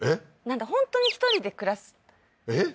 なんか本当に１人で暮らすえっ？